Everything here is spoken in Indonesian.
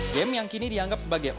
game yang kini dianggap sebagai